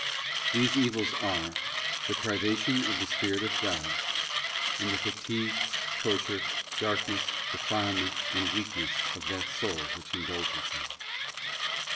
These evils are, the privation of the Spirit of God, and the fatigue, torture, darkness, defilement, and weakness of that soul which indulges them.